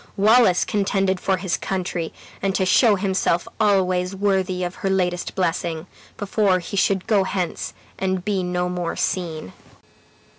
Wallace contended for his country, and to show himself always worthy of her latest blessing "before he should go hence and be no more seen."